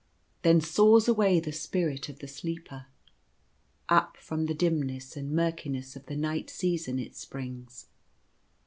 Then soars away the spirit of the sleeper. Up from the dimness and murkiness of the night season it springs.